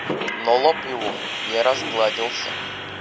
Но лоб его не разгладился.